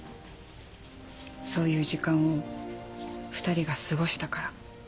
そういう時間を２人が過ごしたから。